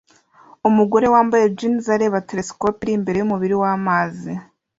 Umugore wambaye jeans areba kuri telesikope iri imbere yumubiri wamazi